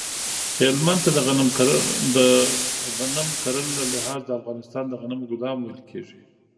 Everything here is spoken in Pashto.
هلمند ته د غنم کرلو له لحاظه د افغانستان د غنمو ګدام ویل کیږی